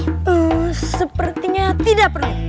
hmm sepertinya tidak perlu